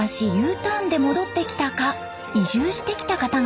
ターンで戻ってきたか移住してきた方々。